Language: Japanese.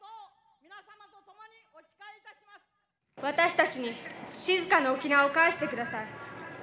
私たちに静かな沖縄を返して下さい。